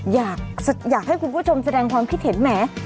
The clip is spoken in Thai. อยากให้คุณผู้ชมแสดงความคิดเห็นแหม